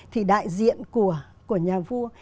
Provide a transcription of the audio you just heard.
thì đại diện của nhà vua